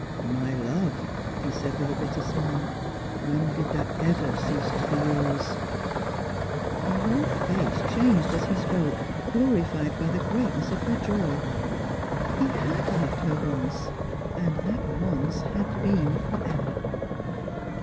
" My love !" he said, with a bitter smile. " When did that ever cease to be yours ?" Her whole face changed as he spoke, glorified by the great ness of her joy. He had loved her once — and that once had been for ever